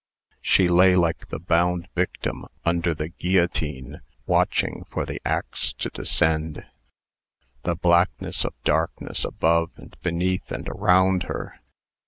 She lay like the bound victim under the guillotine, watching fer the axe to descend. The blackness of darkness above and beneath and around her